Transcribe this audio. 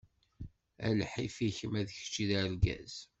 A lḥif-ik, ma d kečč i d argaz!